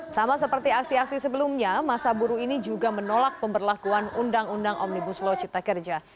sama seperti aksi aksi sebelumnya masa buruh ini juga menolak pemberlakuan undang undang omnibus law cipta kerja